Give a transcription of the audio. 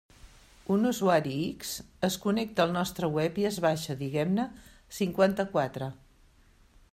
Un usuari X es connecta al nostre web i es baixa, diguem-ne, cinquanta-quatre.